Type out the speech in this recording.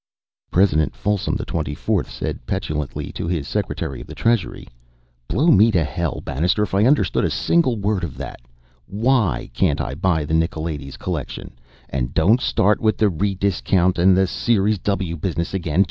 President Folsom XXIV said petulantly to his Secretary of the Treasury: "Blow me to hell, Bannister, if I understood a single word of that. Why can't I buy the Nicolaides Collection? And don't start with the rediscount and the Series W business again.